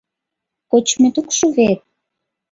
Кочмет ок шу вет?